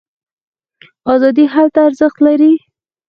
ازادي هلته ارزښت لري.